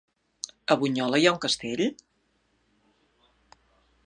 A Bunyola hi ha un castell?